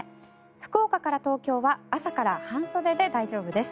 福岡から東京は朝から半袖で大丈夫です。